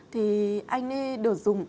thì anh ấy được dùng